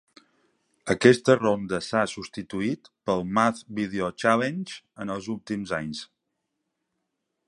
Aquesta ronda s'ha substituït pel Math Video Challenge en els últims anys.